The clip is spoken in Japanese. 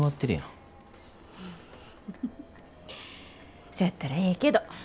フフフフそやったらええけど。